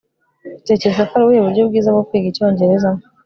utekereza ko ari ubuhe buryo bwiza bwo kwiga icyongereza